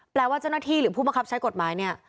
แปลว่าเจ้าหน้าที่หรือผู้บังคับใช้กฎหมายเนี่ย